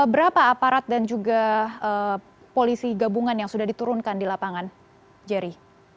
berapa aparat dan juga polisi gabungan yang sudah diturunkan di lapangan jerry